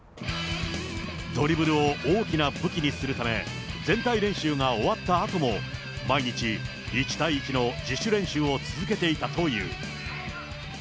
ドリブルを大きな武器にするため、全体練習が終わったあとも、毎日、１対１の自主練習を続けていたという。